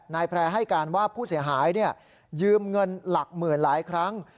นายแพร่ให้การว่าผู้เสียหายยืมเงินหลักหมื่นหลายครั้ง